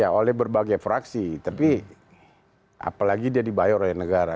ya oleh berbagai fraksi tapi apalagi dia dibayar oleh negara